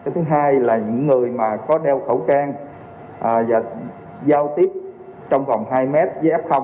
thứ hai là những người có đeo khẩu trang và giao tiếp trong vòng hai m với f